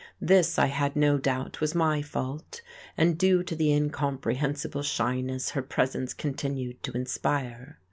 This, I had no doubt, was my fault, and due to the incomprehensible shyness her presence continued to inspire.